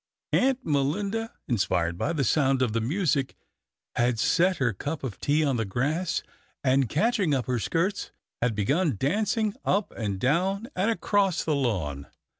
Aunt Melinda, inspired by the sound of the music, had set her cup of tea on the grass, and, catching up her skirts, had begun dancing up and down and across the lawn.